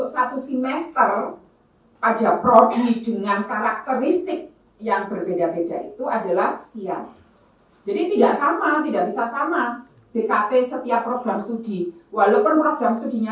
sampai jumpa di video selanjutnya